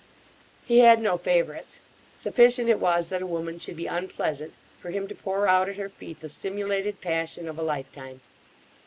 He had no favourites. Sufficient it was that a woman should be unpleasant, for him to pour out at her feet the simulated passion of a lifetime.